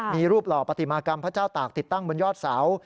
มีรูปหล่อปฏิมากรรมพระเจ้าตากติดตั้งบนยอดเสา